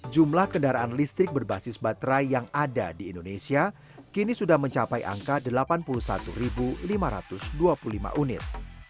jumlah kendaraan listrik berbasis baterai yang ada di indonesia kini sudah mencapai angka delapan puluh satu lima ratus dua puluh lima unit